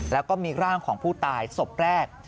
แล้วก็มีร่างของผู้ตายศพแรก